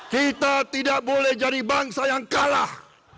kita tidak boleh jadi bangsa yang kalah